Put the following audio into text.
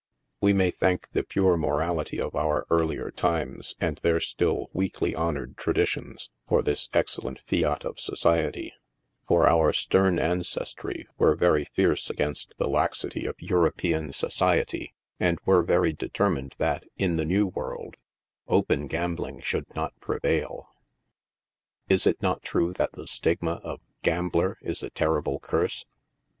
Vv r e may thank the pure morality of our earlier times, and their still weakly honored traditions, for this excellent fiat of society, for our stern ancestry were very fierce against the laxity of European soci 58 NIGHT SIDE OF NEW. YORK. ety, and were very determined that, in the New World, open gam bling should not prevail. Is it not true that the stigma of Gambler is a terrible curse